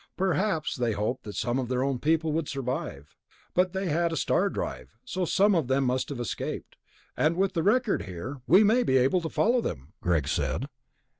Perhaps they hoped that some of their own people would survive. But they had a star drive, so some of them must have escaped. And with the record here...." "We may be able to follow them," Greg said.